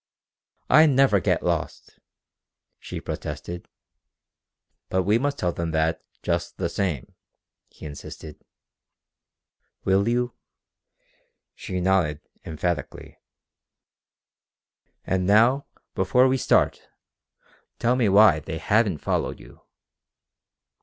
"I never get lost," she protested. "But we must tell them that just the same," he insisted. "Will you?" She nodded emphatically. "And now, before we start, tell me why they haven't followed you?"